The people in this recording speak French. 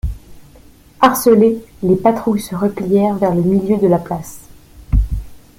Harcelées, les patrouilles se replièrent vers le milieu de la place.